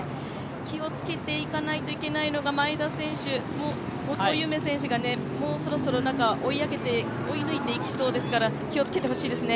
気をつけていかないといけないのは前田選手、後藤夢選手がもうそろそろ追い上げて、追い抜いていきそうですから気をつけていただきたいですね。